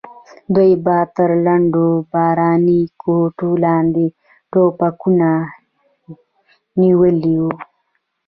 دوی به تر لندو باراني کوټو لاندې ټوپکونه نیولي وو.